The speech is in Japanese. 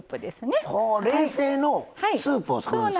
冷製のスープを作るんですか。